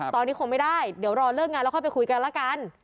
ตอนนี้คงไม่ได้เดี๋ยวรอเลิกงานแล้วค่อยไปคุยกันละกัน